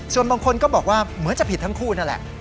ส่วนบางคนก็บอกว่าเหมือนจะผิดทั้งคู่นั่นแหละ